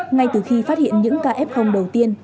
ngay từ khi phát hiện những kf đầu tiên